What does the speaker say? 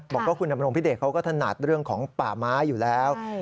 บอกว่าคุณดำรงพิเดชเขาก็ถนัดเรื่องของป่าไม้อยู่แล้ว